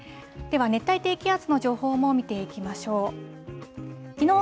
では熱帯低気圧の情報も見ていきましょう。